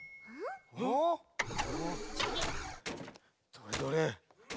どれどれ？